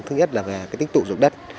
thứ nhất là về tích tụ dụng đất